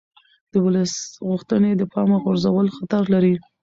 د ولس غوښتنې د پامه غورځول خطر لري